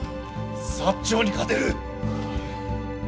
薩長に勝てる！